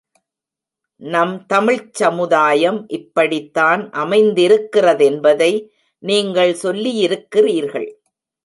நம் தமிழ்ச் சமுதாயம் இப்படித்தான் அமைந்திருக்கிறதென்பதை நீங்கள் சொல்லியிருக்கிறீர்கள்.